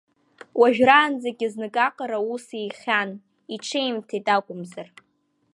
Уажәраанӡагьы знык аҟара ус ихьхьан, иҽеимҭеит акәымзар.